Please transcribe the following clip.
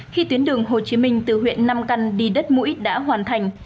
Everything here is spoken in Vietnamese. khi tuyến đường hồ chí minh từ huyện nam căn đi đất mũi đã hoàn thành